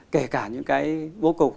kể cả những cái bố cục